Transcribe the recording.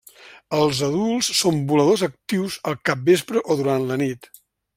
Els adults són voladors actius al capvespre o durant la nit.